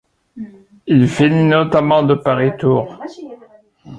Il finit notamment de Paris-Tours.